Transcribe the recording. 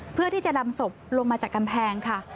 เพื่อที่จะนำศพลงมาจากกำแพงค่ะ